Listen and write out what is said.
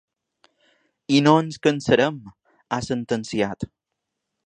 I no ens en cansarem, ha sentenciat.